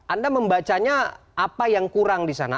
anda membacanya apa yang kurang di sana